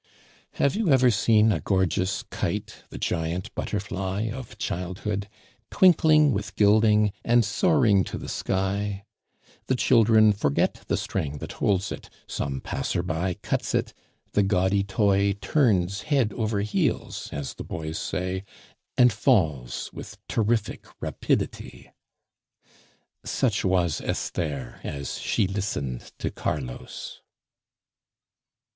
Have you ever seen a gorgeous kite, the giant butterfly of childhood, twinkling with gilding, and soaring to the sky? The children forget the string that holds it, some passer by cuts it, the gaudy toy turns head over heels, as the boys say, and falls with terrific rapidity. Such was Esther as she listened to Carlos.